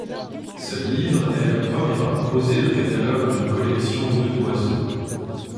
Ce livre est le premier à proposer le catalogue d'une collection d'œufs d'oiseaux.